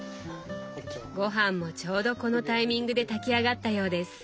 ごはんもちょうどこのタイミングで炊き上がったようです。